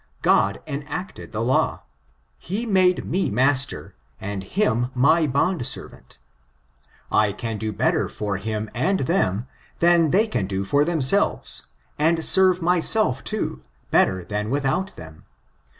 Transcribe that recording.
Gkid enacted the law. He made me master, and him my bondservant. I can do better for him and them» than they can do for themselves, and serve myself, too, better than without them.